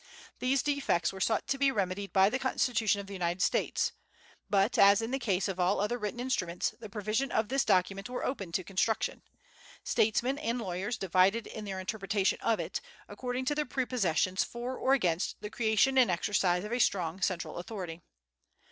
These defects were sought to be remedied by the Constitution of the United States. But, as in the case of all other written instruments, the provisions of this document were open to construction. Statesmen and lawyers divided in their interpretation of it, according to their prepossessions for or against the creation and exercise of a strong central authority.